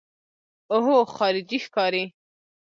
اوهو خارجۍ ښکاري.